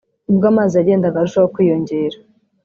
ubwo amazi yagendaga arushaho kwiyongera